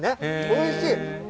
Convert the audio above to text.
おいしい！